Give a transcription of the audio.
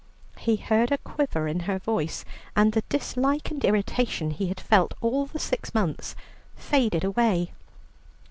He heard a quiver in her voice, and the dislike and irritation he had felt all the six months faded away.